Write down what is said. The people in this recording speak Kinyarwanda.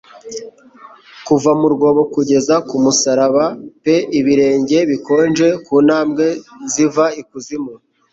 Kuva mu rwobo kugeza ku musaraba pe ibirenge bikonje ku ntambwe ziva ikuzimu.